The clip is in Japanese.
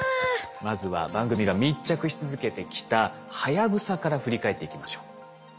まずは番組が密着し続けてきた「はやぶさ」から振り返っていきましょう。